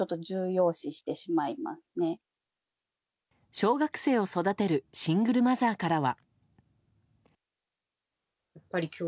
小学生を育てるシングルマザーからは。